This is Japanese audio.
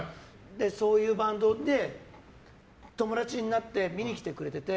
そういうバンドで友達になって見に来てくれてて。